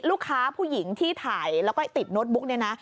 ลูกค้าผู้หญิงที่ถ่ายแล้วก็ติดโนชบุ๊คนะ